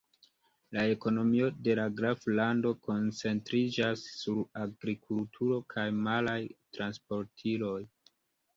La ekonomio de la graflando koncentriĝas sur agrikulturo kaj maraj transportiloj.